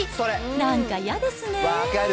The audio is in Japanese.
なんか嫌ですね。